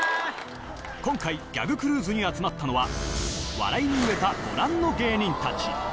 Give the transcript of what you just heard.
今回、ギャグクルーズに集まったのは、笑いに飢えたご覧の芸人たち。